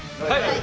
はい！